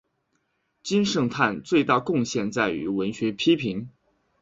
金圣叹最大贡献在于文学批评。